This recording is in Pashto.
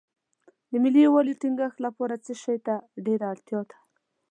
د ملي یووالي ټینګښت لپاره څه شی ته ډېره اړتیا ده.